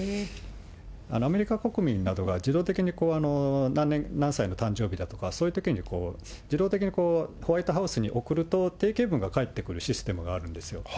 アメリカ国民などが、自動的に何歳の誕生日だとかそういうときに、自動的にホワイトハウスに送ると、定型文が返ってくるシステムがあるんですよ。